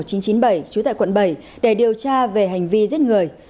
trú tại quận bảy để điều tra về hành vi giết người